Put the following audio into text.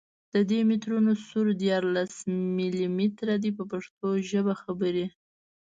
د دي مترونو سور دیارلس ملي متره دی په پښتو ژبه خبرې.